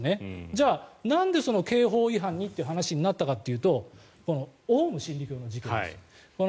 じゃあ、なんで刑法違反にという話になったかというとオウム真理教の事件です。